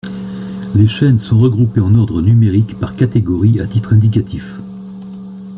Les chaînes sont regroupées en ordre numérique par catégorie à titre indicatif.